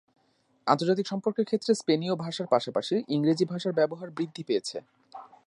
আন্তর্জাতিক সম্পর্কের ক্ষেত্রে স্পেনীয় ভাষার পাশাপাশি ইংরেজি ভাষার ব্যবহার বৃদ্ধি পেয়েছে।